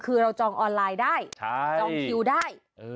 คือเราจองออนไลน์ได้จองคิวได้